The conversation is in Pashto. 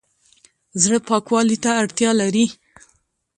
زړه پاکوالي ته اړتیا لري